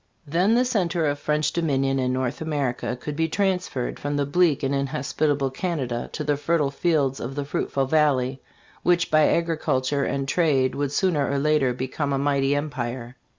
Then the center of French dominion in North America could be transferred from bleak and inhospita ble Canada to the fertile fields of the fruitful valley, which by agriculture and trade would sooner or later become a mighty empire.